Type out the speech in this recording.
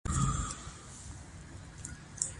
آمو سیند د افغان کلتور په داستانونو کې راځي.